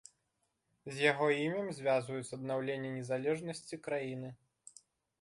З яго імем звязваюць аднаўленне незалежнасці краіны.